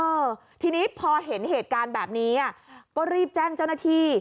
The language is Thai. เออทีนี้พอเห็นเหตุการณ์แบบนี้อ่ะก็รีบแจ้งเจ้าหน้าที่